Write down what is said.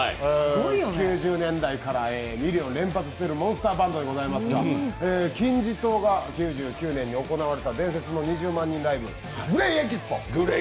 ９０年代からミリオンを連発しているモンスターバンドですが、金字塔が９９年に行われたＧＬＡＹの伝説の２０万人ライブ「ＧＬＡＹＥＸＰＯ」。